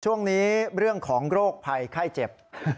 ช่วงนี้เรื่องของโรคภัยไข้เจ็บ